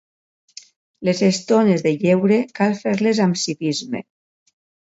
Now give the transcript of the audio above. Les estones de lleure cal fer-les amb civisme.